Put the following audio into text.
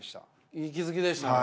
いい気付きでしたね。